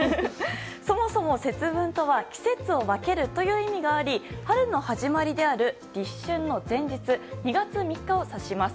そもそも節分とは季節を分けるという意味があり春の始まりである立春の前日２月３日を指します。